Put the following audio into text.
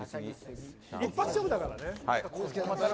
一発勝負だからね。